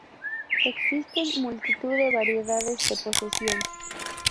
Existen multitud de variedades de posesión.